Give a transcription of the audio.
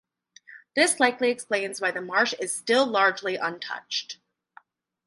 This likely explains why the marsh is still largely untouched.